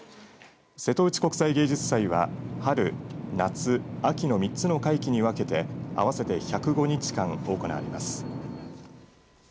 瀬戸内国際芸術祭は春、夏、秋の３つ会期にわけて合わせて１０５日間行われます。